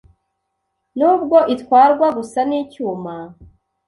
Nubwo itwarwa gusa nicyuma